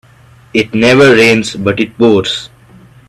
It never rains but it pours